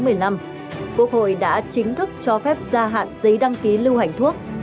quốc hội đã chính thức cho phép gia hạn giấy đăng ký lưu hành thuốc